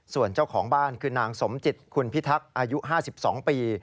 ส่วนเจ้าของบ้านคือนางสมจิตคุณพิทักษ์อายุ๕๒ปี